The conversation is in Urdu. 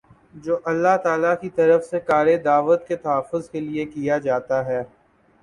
جو اللہ تعالیٰ کی طرف سے کارِ دعوت کے تحفظ کے لیے کیا جاتا ہے